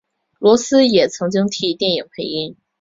罗斯也曾经替电影配音。